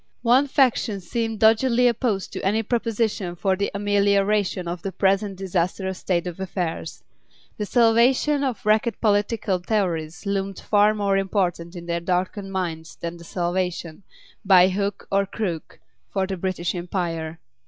One faction seemed doggedly opposed to any proposition for the amelioration of the present disastrous state of affairs. The salvation of wrecked political theories loomed far more important in their darkened minds than the salvation, by hook or crook, of the British Empire.